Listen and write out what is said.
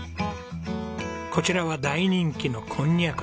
こちらは大人気のこんにゃく。